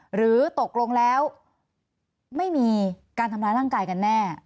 หรือตกลงแล้วไม่มีการทำร้ายร่างกายกันแน่